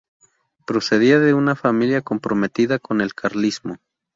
Procedía de una familia comprometida con el carlismo.